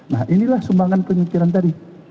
nah inilah sumbangan pemikiran tadi